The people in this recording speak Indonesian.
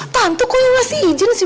tante kok yang ngasih izin sih